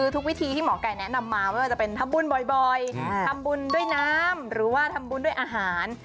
ทุกวิธีที่หมอไก่แนะนำมาไม่ว่าจะเป็นทำบุญบ่อยทำบุญด้วยน้ำหรือว่าทำบุญด้วยอาหาร